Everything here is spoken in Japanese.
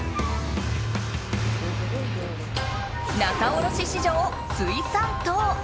仲卸市場水産棟。